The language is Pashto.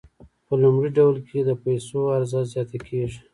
په لومړي ډول کې د پیسو عرضه زیاته کیږي.